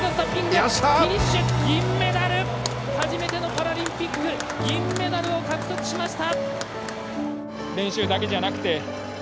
初めてのパラリンピック銀メダルを獲得しました。